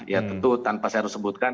ya tentu tanpa saya harus sebutkan